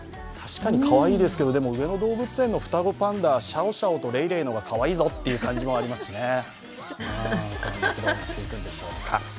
確かにかわいいですけど、でも、上野動物園の双子パンダ、シャオシャオとレイレイの方がかわいいぞという感じもありますしね。